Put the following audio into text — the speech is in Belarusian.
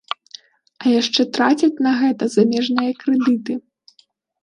А яшчэ трацяць на гэта замежныя крэдыты.